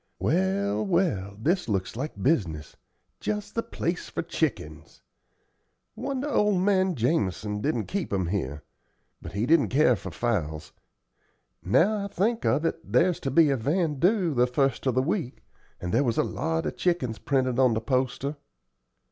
Well, well, this looks like business just the place for chickens. Wonder old man Jamison didn't keep 'em here; but he didn't care for fowls. Now I think of it, there's to be a vandoo the first of the week, and there was a lot o' chickens printed on the poster."